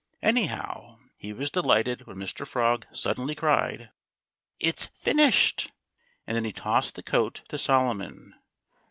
Anyhow, he was delighted when Mr. Frog suddenly cried: "It's finished!" And then he tossed the coat to Solomon.